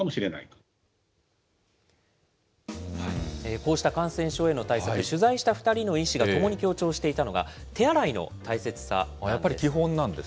こうした感染症への対策、取材した２人の医師がともに強調していたのが、手洗いの大切さ。